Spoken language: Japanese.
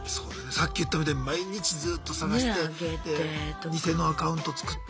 さっき言ったみたいに毎日ずっと探して偽のアカウント作って。